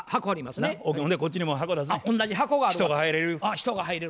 人が入れる。